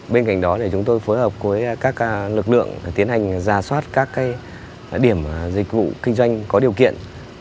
bên cạnh đó chúng tôi phối hợp với các lực lượng tiến hành ra soát các điểm dịch vụ kinh doanh có điều kiện